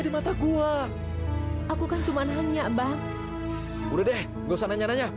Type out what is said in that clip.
sampai jumpa di video selanjutnya